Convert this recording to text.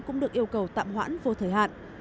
cũng được yêu cầu tạm hoãn vô thời hạn